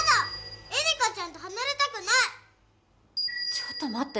ちょっと待って。